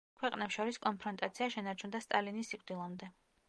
ქვეყნებს შორის კონფრონტაცია შენარჩუნდა სტალინის სიკვდილამდე.